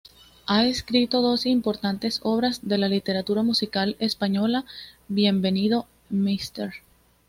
Ha escrito dos importantes obras de la literatura musical española, "Bienvenido Mr.